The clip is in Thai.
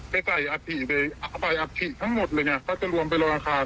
ไปใส่อาธิไปไปอาธิทั้งหมดเลยไงก็จะรวมไปรออาคารไงอืม